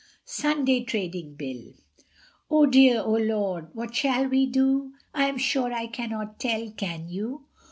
SUNDAY TRADING BILL. Oh dear, oh lor, what shall we do? I am sure I cannot tell, can you?